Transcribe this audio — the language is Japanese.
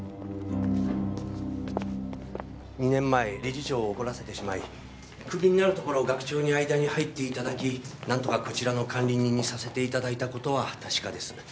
２年前理事長を怒らせてしまい首になるところを学長に間に入っていただきなんとかこちらの管理人にさせていただいた事は確かです。